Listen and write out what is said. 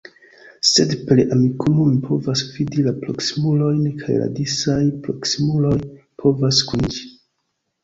Sed per Amikumu mi povas vidi la proksimulojn, kaj la disaj proksimuloj povas kuniĝi.